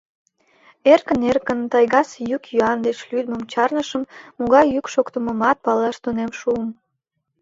Эркын-эркын тайгасе йӱк-йӱан деч лӱдмым чарнышым, могай йӱк шоктымымат палаш тунем шуым.